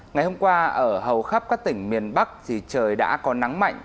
ngày hôm qua ở hầu khắp các tỉnh miền bắc thì trời đã có nắng mạnh